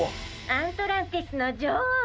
アントランティスのじょおう！